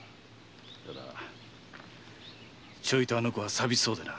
ただちょいとあの子が寂しそうでな。